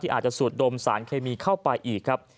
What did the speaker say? อาจจะสูดดมสารเคมีเข้าไปอีกครับ